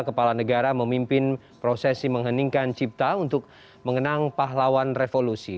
kepala negara memimpin prosesi mengheningkan cipta untuk mengenang pahlawan revolusi